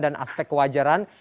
dan aspek kewajaran